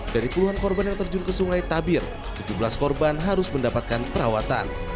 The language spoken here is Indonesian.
dari puluhan korban yang terjun ke sungai tabir tujuh belas korban harus mendapatkan perawatan